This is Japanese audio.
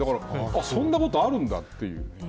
そんなことあるんだっていう。